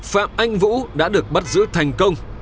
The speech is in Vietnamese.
phạm anh vũ đã được bắt giữ thành công